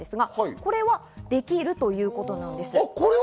これはできるということです。